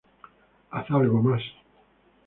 Haz algo más.